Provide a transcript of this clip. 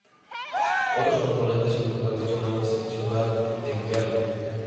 Otros componentes importantes son la Seccional de Gerland.